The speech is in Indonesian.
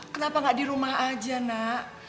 kenapa nggak di rumah aja nak